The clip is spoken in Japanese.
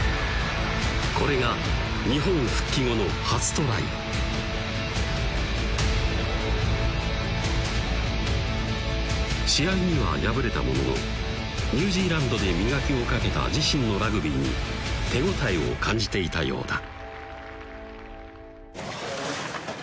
これが日本復帰後の初トライ試合には敗れたもののニュージーランドで磨きをかけた自身のラグビーに手応えを感じていたようだ